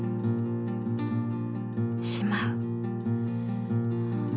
しまう。